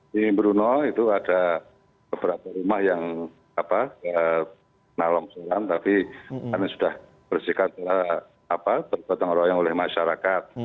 di brunei itu ada beberapa rumah yang nalong soran tapi karena sudah bersihkan terpengaruh oleh masyarakat